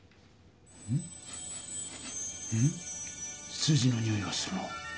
数字のにおいがするな。